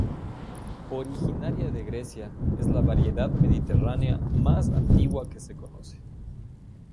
Originaria de Grecia, es la variedad mediterránea más antigua que se conoce.